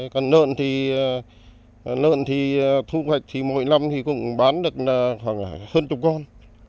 còn lợn thì thu hoạch thì mỗi năm cũng bán được khoảng hơn chục con